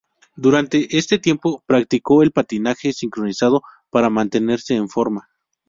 Durante este tiempo practicó el patinaje sincronizado para mantenerse en forma.